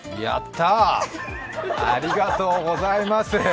ありがとうございます。